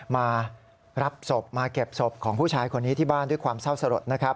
มารับศพมาเก็บศพของผู้ชายคนนี้ที่บ้านด้วยความเศร้าสลดนะครับ